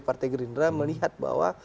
partai gerindra melihat bahwa